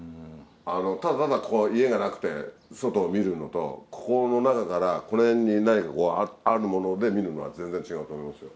ただただここの家がなくて外を見るのとここの中からこの辺に何かこうあるもので見るのは全然違うと思いますよ。